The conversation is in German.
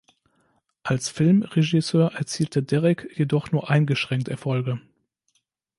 Als Filmregisseur erzielte Derek jedoch nur eingeschränkt Erfolge.